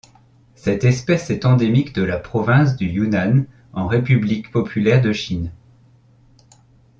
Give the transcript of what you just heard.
Cette espèce est endémique de la province du Yunnan en République populaire de Chine.